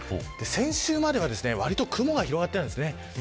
先週までは、わりと雲が広がっていたんですね。